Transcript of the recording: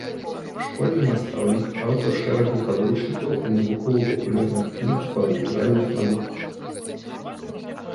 Школьны настаўнік, аўтар шэрагу падручнікаў і навукова-папулярных кніг па натуральных навуках.